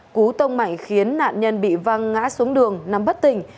cú tông mạnh khiến nạn nhân bị văng ngã xuống đường nắm bất tình